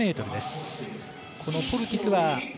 このポルティクは。